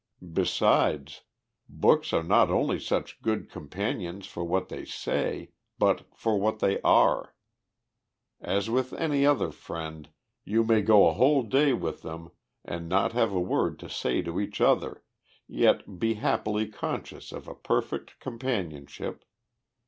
Besides, books are not only such good companions for what they say, but for what they are. As with any other friend, you may go a whole day with them, and not have a word to say to each other, yet be happily conscious of a perfect companionship.